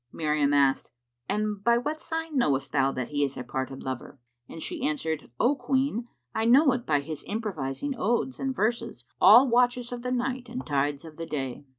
Miriam asked, "And by what sign knowest thou that he is a parted lover?"; and she answered, "O Queen, I know it by his improvising odes and verses all watches of the night and tides of the day."